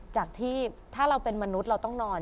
จากที่ถ้าเราเป็นมนุษย์เราต้องนอน